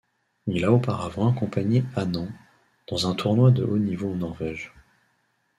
Il a auparavant accompagné Anand dans un tournoi de haut niveau en Norvège.